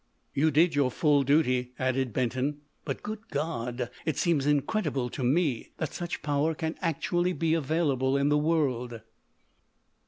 "You did your full duty," added Benton—"but—good God!—it seems incredible to me, that such power can actually be available in the world!"